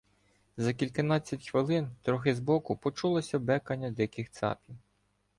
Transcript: За кільканадцять хвилин трохи збоку почулося бекання диких цапів.